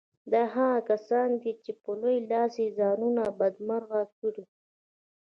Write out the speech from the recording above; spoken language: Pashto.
دا هغه کسان دي چې په لوی لاس یې ځانونه بدمرغه کړي